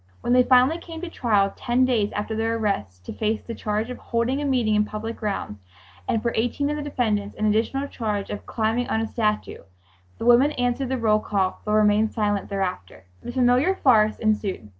When they finally came to trial ten days after their arrest, to face the charge of "holding a meeting in public grounds," and for eighteen of the defendants an additional charge of "climbing on a statue," the women answered the roll call but remained silent thereafter. The familiar farce ensued.